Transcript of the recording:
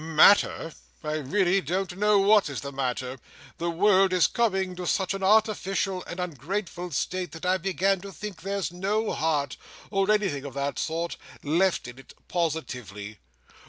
"Matter! I really don't know what is the matter. The world is coming to such an artificial and ungrateful state, that I begin to think there's no Heart—or anything of that sort—left in it, positively.